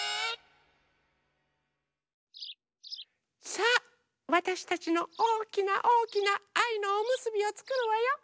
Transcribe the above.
さあわたしたちのおおきなおおきなあいのおむすびをつくるわよ。